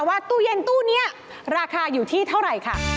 ว่าตู้เย็นตู้นี้ราคาอยู่ที่เท่าไหร่ค่ะ